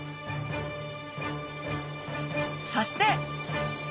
そして！